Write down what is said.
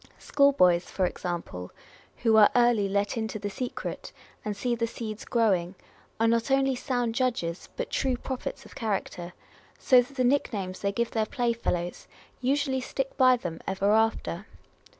School boys, for example, who are early let into the secret, and see the seeds growing, are not only sound judges, but true prophets of character ; so that the nick names they give their playfellows usually stick by them ever after.